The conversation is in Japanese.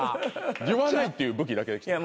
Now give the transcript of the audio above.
言わないっていう武器だけ。